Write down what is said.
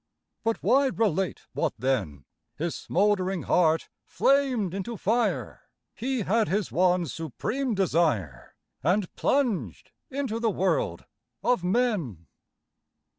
But why relate what then? His smouldering heart flamed into fire— He had his one supreme desire, And plunged into the world of men.